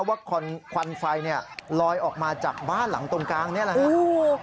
ว่าควันไฟลอยออกมาจากบ้านหลังตรงกลางนี่แหละครับ